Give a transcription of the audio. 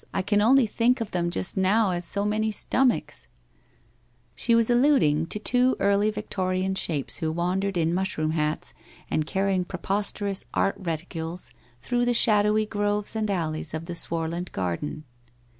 I can only think of them, just now, as so many stomachs !' She was alluding to two Early Victorian shapes who wandered in mushroom hats and carrying preposterous art reticules, through the shadowy groves and alleys of the Swarland garden.